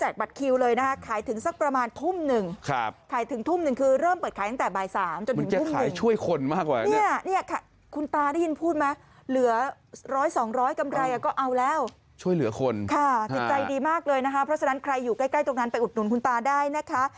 ใครอยู่ใกล้ตรงนั้นไปอุดหนุนคุณตาได้นะคะ